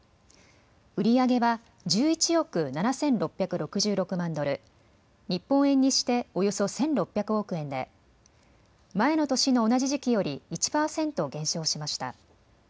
売り上げは１１億７６６６万ドル、日本円にしておよそ１６００億円で前の年の同じ時期より１％減少しました。